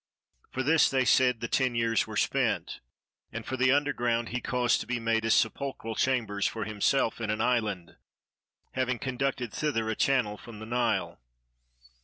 For this they said, the ten years were spent, and for the underground he caused to be made as sepulchral chambers for himself in an island, having conducted thither a channel from the Nile.